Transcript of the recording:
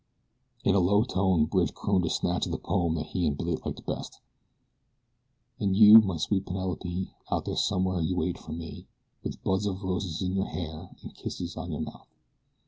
In a low tone Bridge crooned a snatch of the poem that he and Billy liked best: And you, my sweet Penelope, out there somewhere you wait for me, With buds of roses in your hair and kisses on your mouth.